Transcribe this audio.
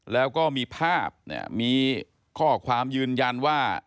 แล้วก็มีภาพมีข้อความยืนยันว่า